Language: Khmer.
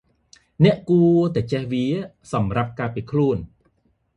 អ្នកគួរតែចេះវា សំរាប់ការពារខ្លួន ។